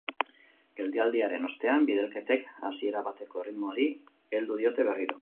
Geldialdiaren ostean, bidalketek hasiera bateko erritmoari heldu diote berriro.